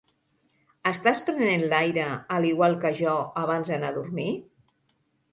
Estàs prenent l'aire, al igual que jo, abans d'anar a dormir?